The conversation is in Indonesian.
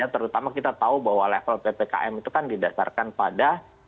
terutama kita tahu bahwa level ppkm itu kan didasarkan pada